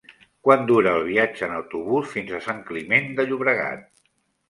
Quant dura el viatge en autobús fins a Sant Climent de Llobregat?